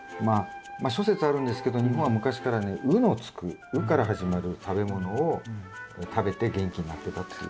まあ諸説あるんですけど日本は昔からね「う」のつく「う」から始まる食べ物を食べて元気になってたっていう。